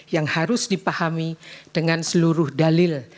yang harus dipahami dengan seluruh dalil